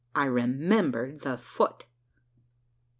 I remembered the foot!